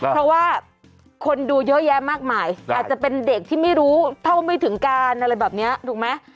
เพราะว่าคนดูเยอะแยะมากมายอาจจะเป็นเด็กที่ไม่รู้เท่าไม่ถึงการอะไรแบบนี้ถูกไหม